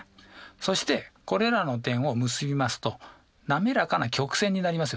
そしてこれらの点を結びますと滑らかな曲線になりますよね。